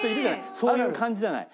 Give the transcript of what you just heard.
そういう感じじゃない。